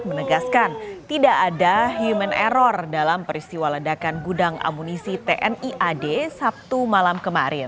menegaskan tidak ada human error dalam peristiwa ledakan gudang amunisi tni ad sabtu malam kemarin